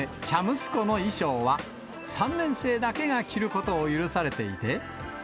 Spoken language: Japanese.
息子の衣装は、３年生だけが着ることを許されていて。